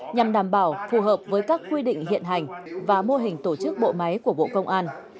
nhằm đảm bảo phù hợp với các quy định hiện hành và mô hình tổ chức bộ máy của bộ công an